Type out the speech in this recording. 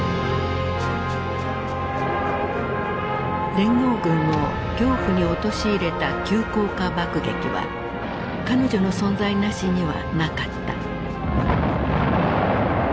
連合軍を恐怖に陥れた急降下爆撃は彼女の存在なしにはなかった。